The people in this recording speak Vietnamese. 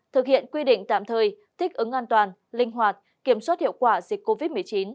thực hiện quy định tạm thời thích ứng an toàn linh hoạt kiểm soát hiệu quả dịch covid một mươi chín